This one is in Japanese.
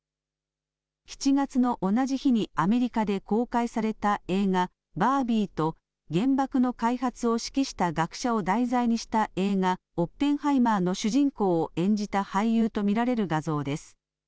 ７月の同じ日にアメリカで公開された映画、バービーと原爆の開発を指揮した学者を題材にした映画、オッペンハイマーの主人公を演じた俳優と見られる画像です。